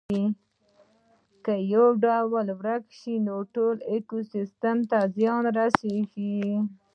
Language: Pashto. که یو ډول ورک شي نو ټول ایکوسیستم ته زیان رسیږي